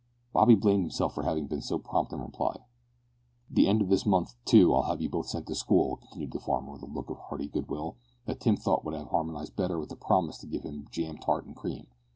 Bobby blamed himself for having been so prompt in reply. "The end of this month, too, I'll have you both sent to school," continued the farmer with a look of hearty good will, that Tim thought would have harmonised better with a promise to give them jam tart and cream.